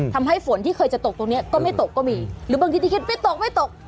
ทำให้ฝนที่เคยจะตกตรงนี้ก็ไม่ตกก็มีหรือบางทีที่คิดไม่ตกไม่ตก